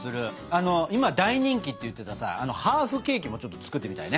あの今大人気って言ってたさハーフケーキもちょっと作ってみたいね。